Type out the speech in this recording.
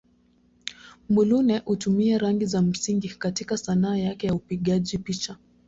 Muluneh hutumia rangi za msingi katika Sanaa yake ya upigaji picha.